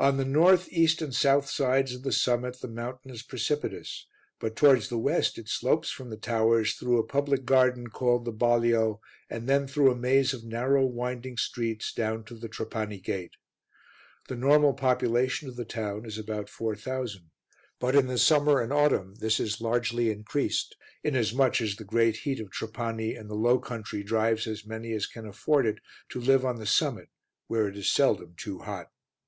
On the north, east and south sides of the summit the mountain is precipitous, but towards the west it slopes from the towers through a public garden called the Balio, and then through a maze of narrow, winding streets, down to the Trapani gate. The normal population of the town is about 4000, but in the summer and autumn this is largely increased, inasmuch as the great heat of Trapani and the low country drives as many as can afford it to live on the summit where it is seldom too hot.